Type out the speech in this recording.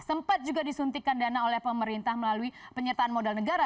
sempat juga disuntikan dana oleh pemerintah melalui penyertaan modal negara